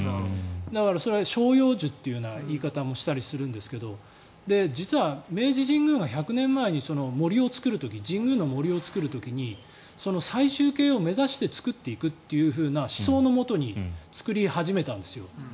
だから、照葉樹という言い方もしたりするんですが実は、明治神宮が１００年前に神宮の森を作る時に最終形を目指して作っていくという思想のもとに造り始めたんですよ。